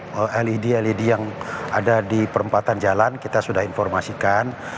dengan led led yang ada di perempatan jalan kita sudah informasikan